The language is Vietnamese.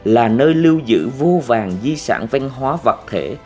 là nơi lưu giữ vô vàng di sản văn hóa vật thể